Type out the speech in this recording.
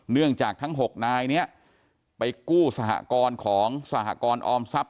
เนื่องจากทั้ง๖นายเนี่ยไปกู้สหกรณ์ของสหกรออมทรัพย